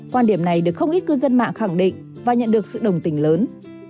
quan điểm này được không ít cư dân mạng khẳng định và nhận được sự đồng tình lớn